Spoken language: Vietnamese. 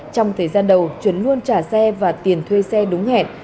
trong thời gian đầu chuẩn luôn trả xe và tiền thuê xe đúng hẹn